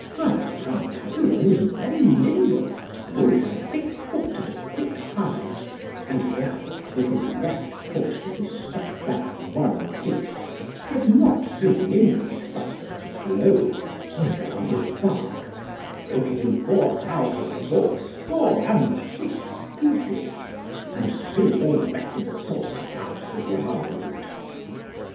But Pantagruel was very nimble, and had always a quick foot and a quick eye, and therefore with his left foot did he step back one pace, yet not so nimbly but that the blow, falling upon the bark, broke it in four thousand four score and six pieces, and threw all the rest of the salt about the ground.